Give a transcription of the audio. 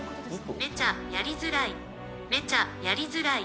めちゃやりづらい、めちゃやりづらい。